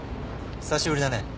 久しぶりだね。